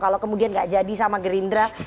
kalau kemudian gak jadi sama gerindra